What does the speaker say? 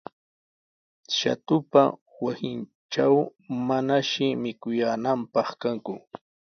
Shatupa wasintraw manashi mikuyaananpaq kanku.